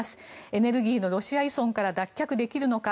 エネルギーのロシア依存から脱却できるのか。